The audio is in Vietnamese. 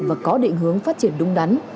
và có định hướng phát triển đúng đắn